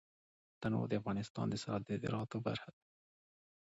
تنوع د افغانستان د صادراتو برخه ده.